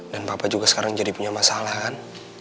dan papa juga sekarang jadi punya masalahan